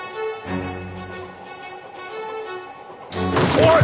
おい！